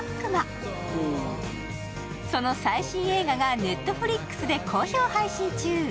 その最新映画がＮｅｔｆｌｉｘで好評配信中。